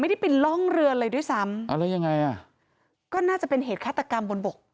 ไม่ได้ไปล่องเรือเลยด้วยซ้ำอ่าแล้วยังไงอ่ะก็น่าจะเป็นเหตุฆาตกรรมบนบก